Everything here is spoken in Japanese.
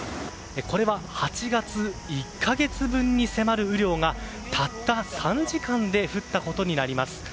これは８月１か月分に迫る雨量がたった３時間で降ったことになります。